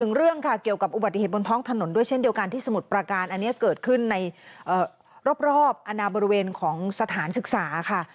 เรื่องค่ะเกี่ยวกับอุบัติเหตุบนท้องถนนด้วยเช่นเดียวกันที่สมุทรประการอันนี้เกิดขึ้นในรอบอนาบริเวณของสถานศึกษาค่ะ